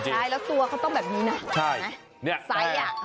ใช่แล้วตัวเขาต้องแบบนี้นะใช่ไหมไซส์อ่ะ